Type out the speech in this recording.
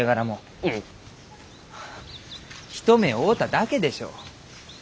はあ一目会うただけでしょう？